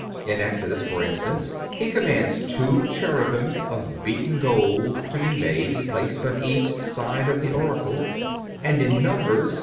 In Exodus (xxv. 18), for instance, He commands two cherubim of beaten gold to be made and placed on each side of the oracle; and in Numbers (xxi.